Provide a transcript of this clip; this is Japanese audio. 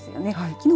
きのう